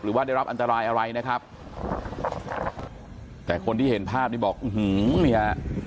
หรือว่าได้รับอันตรายอะไรนะครับแต่คนที่เห็นภาพนี้บอกอื้อหือเนี่ย